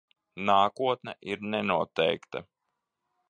Nākotne ir nenoteikta.